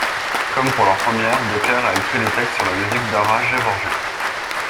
Comme pour leur première, Decker a écrit les textes sur la musique d'Ara Gevorgian.